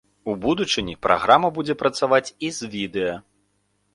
У будучыні праграма будзе працаваць і з відэа.